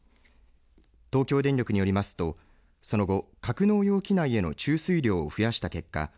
東京電力によりますとその後、格納容器内への注水量を増やした結果